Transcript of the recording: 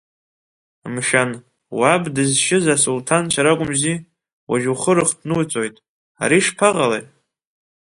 Мшәан, уаб дызшьыз Асулҭанцәа ракумзи, ожәы ухы рыхҭнуҵоит, ари шԥаҟалеи?